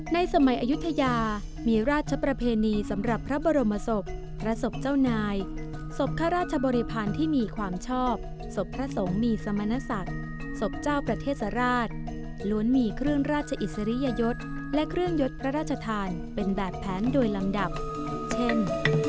ในสมัยอายุทยามีราชประเพณีสำหรับพระบรมศพพระศพเจ้านายศพข้าราชบริพาณที่มีความชอบศพพระสงฆ์มีสมณศักดิ์ศพเจ้าประเทศราชล้วนมีเครื่องราชอิสริยยศและเครื่องยดพระราชทานเป็นแบบแผนโดยลำดับเช่น